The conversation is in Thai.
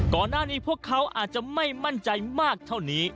ก่อนหน้านี้พวกเขาอาจจะไม่มั่นใจมากเท่านี้